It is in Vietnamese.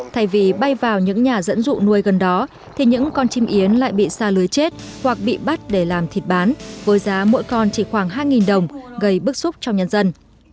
thay vì bay vào những nhà dẫn dụ nuôi gần đó thì những con chim yến lại bị xa lưới chết hoặc bị bắt để làm thịt bán với giá mỗi con chỉ khoảng hai đồng gây bức xúc cho nhân dân